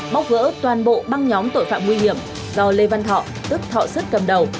bóc vỡ toàn bộ băng nhóm tội phạm nguy hiểm do lê văn thọ tức thọ sứt cầm đầu